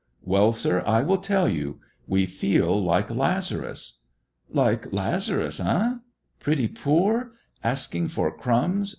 "Well, sir, I will tell you. We feel like Lazarus." "Like Lazarus, eh! Pretty poor! Asking for crumbs!"